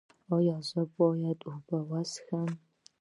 ایا زه باید اوبه وڅښم؟